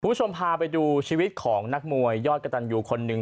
คุณผู้ชมพาไปดูชีวิตของนักมวยยอดกระตันยูคนหนึ่ง